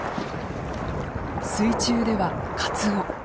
水中ではカツオ。